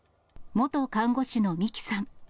元看護師の美紀さん。